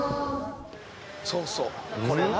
「そうそうこれな」